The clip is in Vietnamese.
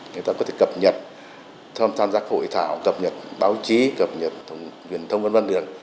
người ta có thể cập nhật tham gia hội thảo cập nhật báo chí cập nhật truyền thông vân đường